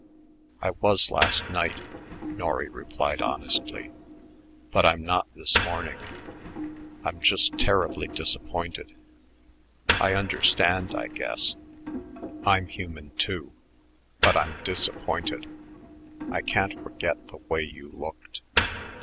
"I was last night," Norry replied honestly, "but I'm not this morning. I'm just terribly disappointed. I understand, I guess; I'm human, too but I'm disappointed. I can't forget the way you looked."